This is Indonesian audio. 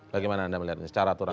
bagaimana anda melihatnya secara aturan